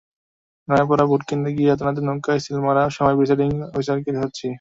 নয়াপাড়া ভোটকেন্দ্রে গিয়ে হাতেনাতে নৌকায় সিল মারার সময় প্রিসাইডিং অফিসারকে ধরেছি।